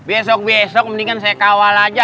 besok besok mendingan saya kawal aja